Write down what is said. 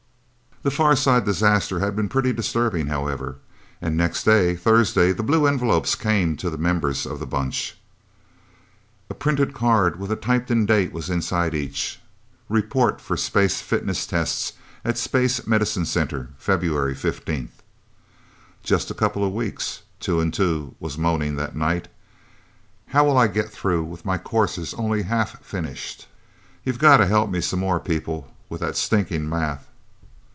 The Far Side disaster had been pretty disturbing, however. And next day, Thursday, the blue envelopes came to the members of the Bunch. A printed card with a typed in date, was inside each: "Report for space fitness tests at Space Medicine Center, February 15th..." "Just a couple of weeks!" Two and Two was moaning that night. "How'll I get through, with my courses only half finished. You've gotta help me some more, people! With that stinking math...!"